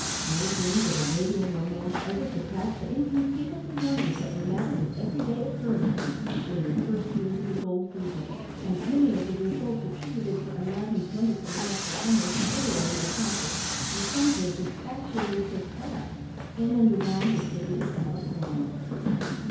No dreams of Arabian romance ever surpassed the inconceivable wonders that were matters of every day occurrence there during the first years of the gold fever; and many of the results attributed to Aladdin's wonderful lamp were almost literally accomplished in some cases actually surpassed in and around the cities of California.